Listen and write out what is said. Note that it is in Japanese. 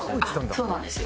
そうなんですよ。